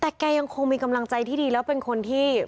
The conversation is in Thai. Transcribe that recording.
แต่แกยังคงมีกำลังใจที่ดีแล้วเป็นคนที่